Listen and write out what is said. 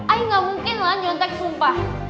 ayo gak mungkin lah nyontek sumpah